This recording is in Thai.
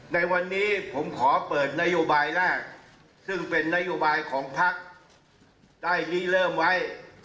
ในวันนี้ผมขอเปิดนโยบายแรกซึ่งเป็นนโยบายของพักได้รีเริ่มไว้